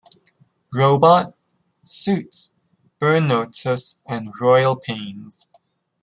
Robot", "Suits", "Burn Notice" and "Royal Pains".